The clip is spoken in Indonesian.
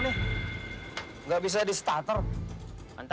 dari mana dari mana